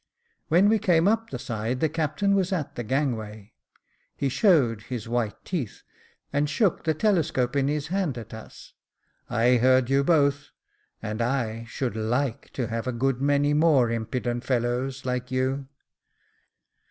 When we came up the side, the captain was at the gangway. He showed his white teeth, and shook the telescope in his hand at us. "I heard you both ; and I should /ike to have a good many more impudent fellows like you."